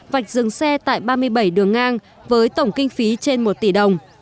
vạch dừng xe tại ba mươi bảy đường ngang với tổng kinh phí trên một tỷ đồng